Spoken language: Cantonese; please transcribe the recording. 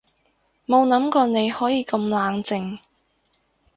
冇諗過你可以咁冷靜